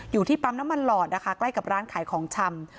อยู่ที่ปั๊มน้ำมันหลอดนะคะใกล้กับร้านขายของชำ